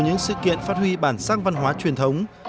những sự kiện phát huy bản sắc văn hóa truyền thống